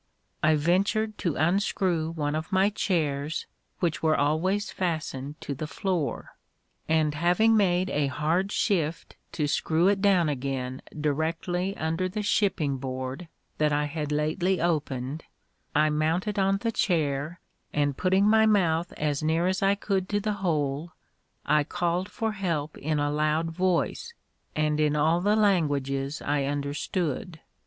I ventured to unscrew one of my chairs, which were always fastened to the floor; and having made a hard shift to screw it down again directly under the shipping board that I had lately opened, I mounted on the chair, and putting my mouth as near as I could to the hole, I called for help in a loud voice, and in all the languages I understood.